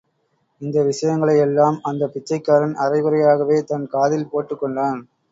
இந்த விஷயங்களையெல்லாம் அந்தப் பிச்சைக்காரன் அரைகுறையாகவே தன் காதில் போட்டுக் கொண்டான்.